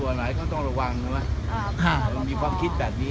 วันใหม่วันใหม่ก็ต้องระวังมีความคิดแบบนี้